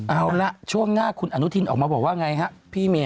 เอาล่ะช่วงหน้าคุณอนุทินออกมาบอกว่าอย่างไรฮะ